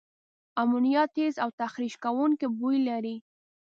امونیا تیز او تخریش کوونکي بوی لري.